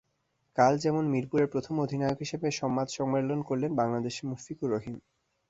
কাল যেমন মিরপুরে প্রথম অধিনায়ক হিসেবে সংবাদ সম্মেলন করলেন বাংলাদেশের মুশফিকুর রহিম।